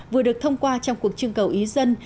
vừa được thông qua trong cuộc trưng cầu ý dân